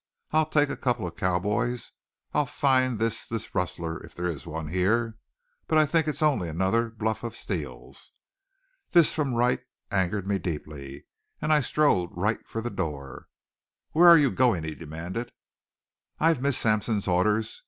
I'll take a couple of cowboys. I'll find this this rustler, if there's one here. But I think it's only another bluff of Steele's." This from Wright angered me deeply, and I strode right for the door. "Where are you going?" he demanded. "I've Miss Sampson's orders.